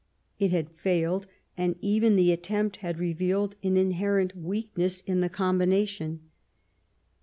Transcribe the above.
It had failed, and even the attempt had revealed an inherent weakness in the combina tion.